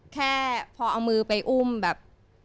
แค่พอเอามือไปอุ้มแบบ